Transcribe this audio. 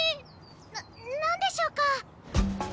な何でしょうか？